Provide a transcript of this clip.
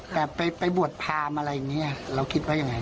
แต่ไปบวชพรามอะไรอย่างนี้เราคิดว่ายังไง